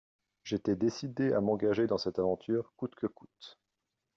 J'étais décidé à m'engager dans cette aventure coûte que coûte.